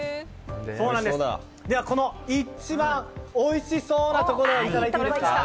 この一番おいしそうなところをいただいていいですか。